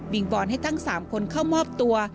งบอนให้ทั้ง๓คนเข้ามอบตัว